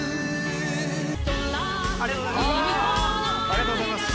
ありがとうございます。